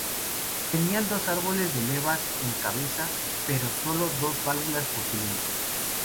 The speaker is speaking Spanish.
Tenía dos árboles de levas en cabeza, pero solo dos válvulas por cilindro.